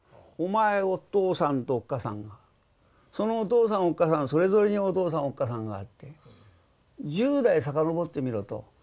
お前お父さんとおっかさんがそのお父さんおっかさんそれぞれにお父さんおっかさんがあって十代遡ってみろと。